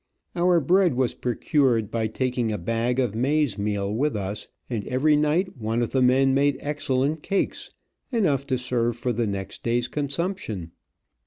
Our bread was procured by taking a bag of maize meal with us, and every night one of the men made excellent cakes, enough to serve for next day's consumption.